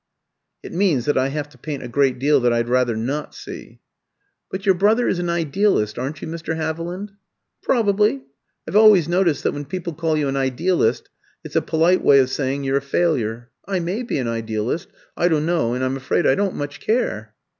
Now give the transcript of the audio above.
"It means that I have to paint a great deal that I'd rather not see." "But your brother is an idealist aren't you, Mr. Haviland?" "Probably. I've always noticed that when people call you an idealist, it's a polite way of saying you're a failure. I may be an idealist; I don't know, and I'm afraid I don't much care."